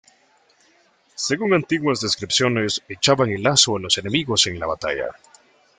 Según antiguas descripciones echaban el lazo a los enemigos en la batalla.